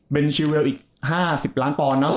เบนชีวิลอีก๕๐ล้านตอนนะ